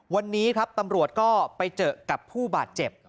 วันนี้ครับตำรวจก็ไปเจอกับผู้บาดเจ็บ